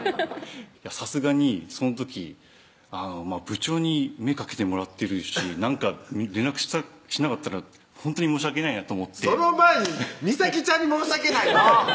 さすがにその時部長に目かけてもらってるしなんか連絡しなかったらほんとに申し訳ないなと思ってその前に美咲ちゃんに申し訳ないの！